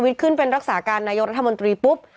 ขึ้นเป็นรักษาการนายกรัฐมนตรีปุ๊บ